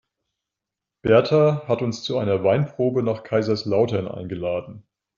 Berta hat uns zu einer Weinprobe nach Kaiserslautern eingeladen.